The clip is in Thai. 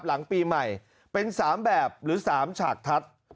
หลังปีใหม่เป็น๓แบบหรือ๓ฉากทัศน์